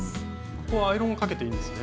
ここはアイロンかけていいんですね。